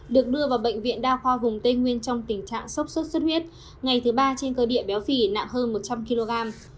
được đưa vào bệnh viện đa khoa vùng tây nguyên trong tình trạng sốc sốt xuất huyết ngày thứ ba trên cơ địa béo phì nặng hơn một trăm linh kg